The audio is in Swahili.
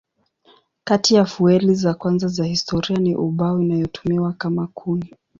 Kati ya fueli za kwanza za historia ni ubao inayotumiwa kama kuni.